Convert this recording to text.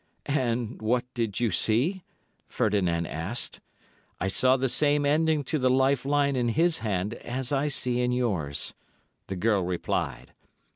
"And what did you see?" Ferdinand asked. "I saw the same ending to the life line in his hand as I see in yours," the girl replied.